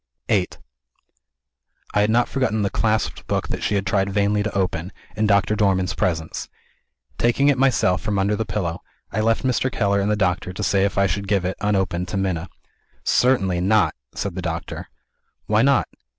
VIII I had not forgotten the clasped book that she had tried vainly to open, in Doctor Dormann's presence. Taking it myself from under the pillow, I left Mr. Keller and the doctor to say if I should give it, unopened, to Minna. "Certainly not!" said the doctor. "Why not?"